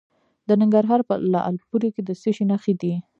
د ننګرهار په لعل پورې کې د څه شي نښې دي؟